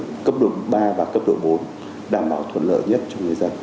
cấp độ ba và cấp độ bốn đảm bảo thuận lợi nhất cho người dân